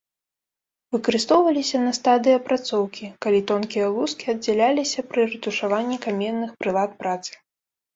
Выкарыстоўваліся на стадыі апрацоўкі, калі тонкія лускі аддзяляліся пры рэтушаванні каменных прылад працы.